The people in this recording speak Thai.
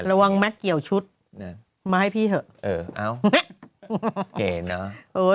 ระวังแม็กซ์เกี่ยวชุดนั่นมาให้พี่เถอะเออเอาเก๋เนอะโอ้ย